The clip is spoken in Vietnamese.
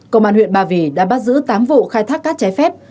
công an huyện ba vì đã bắt giữ tám vụ khai thác cát trái phép